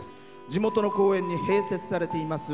地元の公園に併設されています